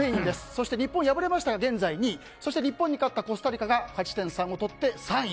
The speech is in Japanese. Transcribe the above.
そして、日本は敗れましたが現在２位日本が敗れたコスタリカが勝ち点３をとって３位。